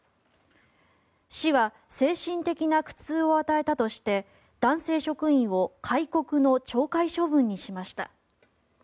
市は精神的な苦痛を与えたとして男性職員を戒告の懲戒処分にしました。